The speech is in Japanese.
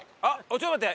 ちょっと待って。